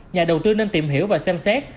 nhà đầu tư nên tìm hiểu và xem xét